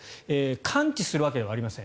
完治するわけではありません。